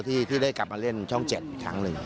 ที่ได้กลับมาเล่นช่อง๗อีกครั้งหนึ่ง